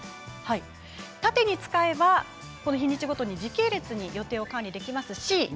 縦に使えば日にちごとに時系列に予定を管理できます。